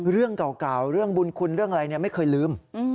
เรื่องเก่าเรื่องบุญคุณเรื่องอะไรไม่เคยลืม